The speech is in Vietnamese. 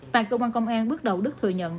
tại cơ quan công an bước đầu đức thừa nhận